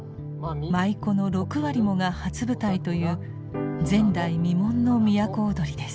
舞妓の６割もが初舞台という前代未聞の都をどりです。